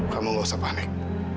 kamu nggak usah panik